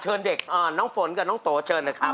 เด็กน้องฝนกับน้องโตเชิญเลยครับ